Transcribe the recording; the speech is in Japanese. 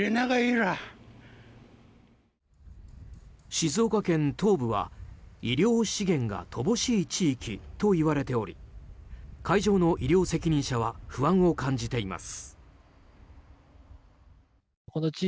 静岡県東部は、医療資源が乏しい地域といわれており会場の医療責任者は不安を感じています。